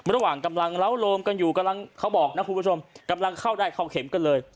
ระหว่างกำลังเลาลมกันอยู่กำลังเข้าได้เข้าเข็มกันเลย